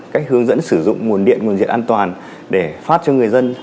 cách hướng dẫn sử dụng nguồn điện nguồn diện an toàn để phát cho người dân